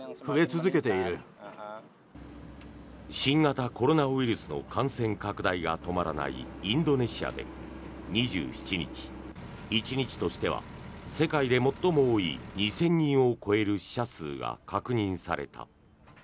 新型コロナウイルスの感染拡大が止まらないインドネシアで２７日１日としては世界で最も多い２０００人を超える死者数が確認された。